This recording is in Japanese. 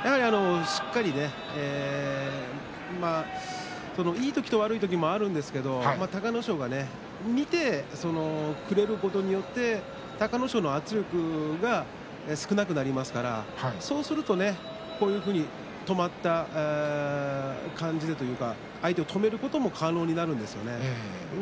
しっかりいい時と悪い時があるんですけれど隆の勝が見てくれることによって隆の勝への圧力が少なくなりますから、そうするとこのように止まった感じというか相手を止めることが可能なんですね。